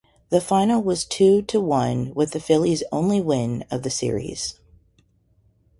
The final was two to one and the Phillies only win of the series.